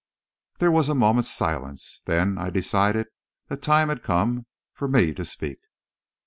There was a moment's silence; then, I decided, the time had come for me to speak.